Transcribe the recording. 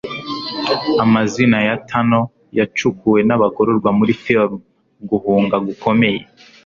Amazina ya tunel yacukuwe nabagororwa muri film `Guhunga gukomeye